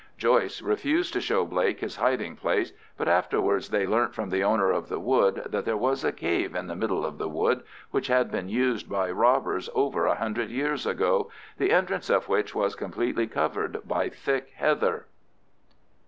Joyce refused to show Blake his hiding place, but afterwards they learnt from the owner of the wood that there was a cave in the middle of the wood which had been used by robbers over a hundred years ago, the entrance of which was completely covered by thick heather.